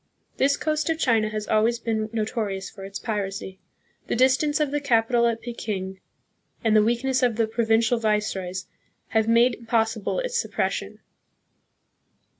This coast of China has always been notorious for its piracy. The distance of the capital at Peking and the weakness of the provincial viceroys have made impossible its suppres sion.